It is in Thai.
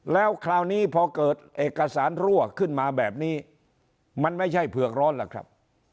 แล้วคราวนี้พอเกิดเอกสารรั่วขึ้นมาแบบนี้มันไม่ใช่เผือกร้อนล่ะครับ